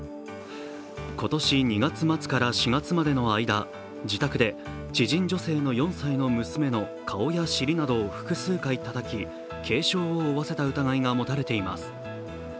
今年２月末から４月までの間自宅で知人女性の４歳の娘の顔や尻などを複数回たたき、軽傷を負わせた疑いが持たれています。